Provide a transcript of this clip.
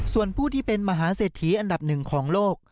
ส่วนผู้ที่เป็นมหาเศรษฐีอันดับหนึ่งของโลก